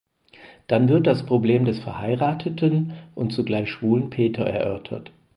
Dann wird das Problem des verheirateten und zugleich schwulen Peter erörtert.